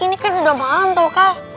ini kan udah malem tau kak